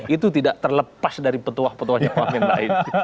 itu tidak terlepas dari petuah petuahnya pak amin rais